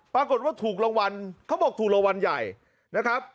ปรากฏว่าถูกรางวัลเขาบอกถูกรางวัลใหญ่นะครับ